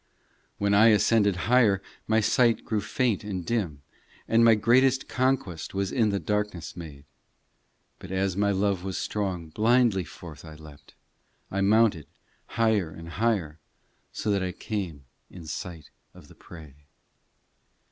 in When I ascended higher My sight grew faint and dim, And my greatest conquest Was in the darkness made ; But as my love was strong Blindly forth I leapt, I mounted higher and higher, So that I came in sight of the prey.